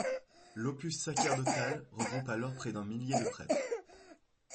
L'Opus sacerdotale regroupe alors près d'un millier de prêtres.